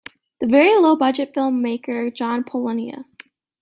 The very-low-budget film maker John Polonia.